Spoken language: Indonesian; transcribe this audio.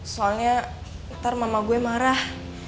soalnya ntar mama gue marah